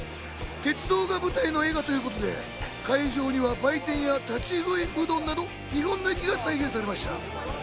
鉄道が舞台の映画ということで、会場には売店や立ち食いうどんなど、日本の駅が再現されました。